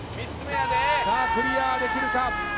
クリアできるか。